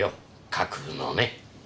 架空のね。